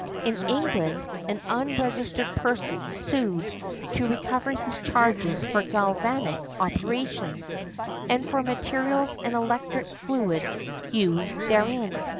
In England, an unregistered person sued to recover his charges for galvanic operations, and for materials and electric fluid used therein.